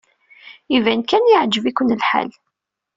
Iban kan yeɛjeb-iken lḥal.